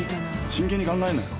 真剣に考えんなよ。